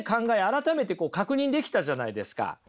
改めてこう確認できたじゃないですか。